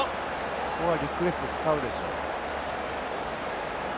ここはリクエスト使うでしょう。